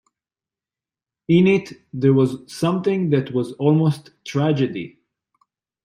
In it there was something that was almost tragedy.